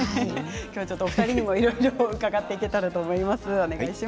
お二人にもいろいろ伺っていけたらと思います。